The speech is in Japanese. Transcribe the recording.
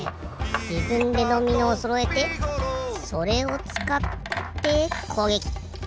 じぶんでドミノをそろえてそれをつかってこうげき！